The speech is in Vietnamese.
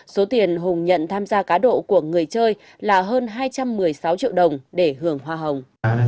số tiền hùng nhận tham gia cá độ của người chơi là hơn hai trăm một mươi sáu triệu đồng để hưởng hoa hồng